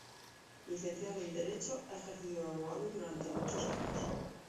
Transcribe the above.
Licenciado en Derecho, ha ejercido de abogado durante muchos años.